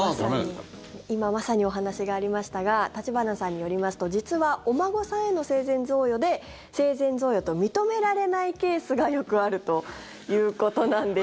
今まさにお話がありましたが橘さんによりますと実はお孫さんへの生前贈与で生前贈与と認められないケースがよくあるということなんです。